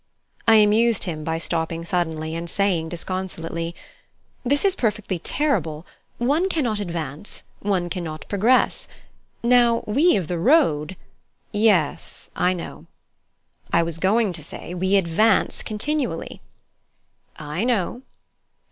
I amused him by stopping suddenly and saying disconsolately, "This is perfectly terrible. One cannot advance: one cannot progress. Now we of the road " "Yes. I know." "I was going to say, we advance continually." "I know."